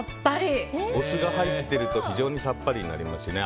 お酢が入っていると非常にさっぱりになりますよね。